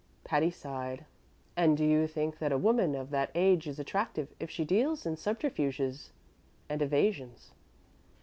Patty sighed. "And do you think that a woman of that age is attractive if she deals in subterfuges and evasions?"